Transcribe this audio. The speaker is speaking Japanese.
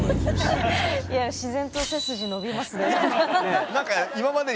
いや自然と背筋伸びますね。